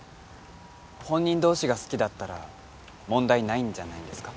本人同士が好きだったら問題ないんじゃないんですか？